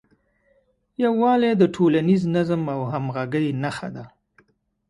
یووالی د ټولنیز نظم او همغږۍ نښه ده.